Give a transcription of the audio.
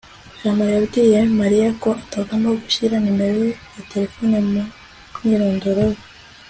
jamali yabwiye mariya ko atagomba gushyira nimero ye ya terefone mu mwirondoro we